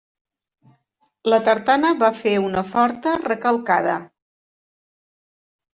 La tartana va fer una forta recalcada.